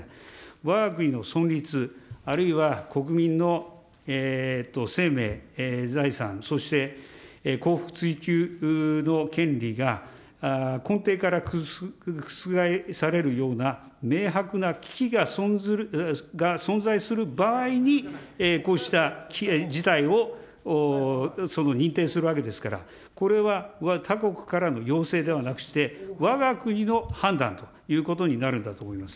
わが国の存立、あるいは国民の生命、財産、そして幸福追求の権利が根底から覆されるような明白な危機が存在する場合にこうした事態を認定するわけですから、これは他国からの要請ではなくして、わが国の判断ということになるんだと思います。